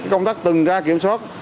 công tác từng ra kiểm soát